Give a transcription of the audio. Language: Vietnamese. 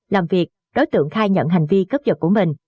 làm việc đối tượng khai nhận hành vi cấp dật của mình